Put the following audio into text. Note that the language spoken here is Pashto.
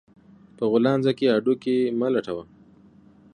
په غولانځه کې هډو کى مه لټوه